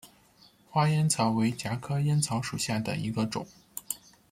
花烟草为茄科烟草属下的一个种。